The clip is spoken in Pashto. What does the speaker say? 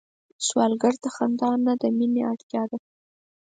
سوالګر ته د خندا نه، د مينه اړتيا ده